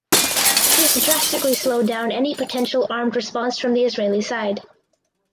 This drastically slowed down any potential armed response from the Israeli side.